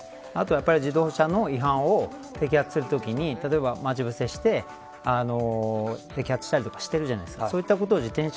あとは、自動車の違反を摘発するときに待ち伏せして摘発したりしているじゃないですか。